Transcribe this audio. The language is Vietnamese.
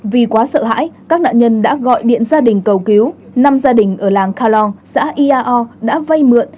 vì quá sợ hãi các nạn nhân đã gọi điện gia đình cầu cứu năm gia đình ở làng kha lon xã iao đã vay mượn